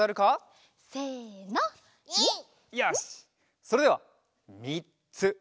それではみっつ！